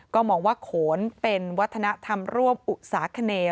ก็มองว่าโขนเป็นวัฒนธรรมร่วมอุตสาขเน